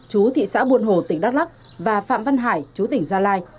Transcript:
chú thị xã buồn hồ tỉnh đắk lắk và phạm văn hải chú tỉnh gia lai